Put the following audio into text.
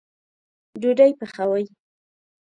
ډوډۍ پخوئ